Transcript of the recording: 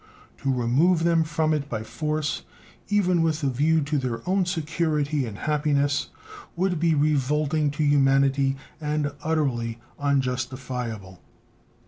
To remove them from it by force, even with a view to their own security and happiness, would be revolting to humanity and utterly unjustifiable.